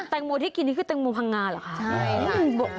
แตงหมูที่กินนี่คือแตงหมูพังง่าหรอครับ